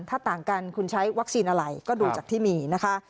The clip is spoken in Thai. ถ้าต่างกันคุณใช้วัคซีนอะไรก็ดูจากที่มีนะคะ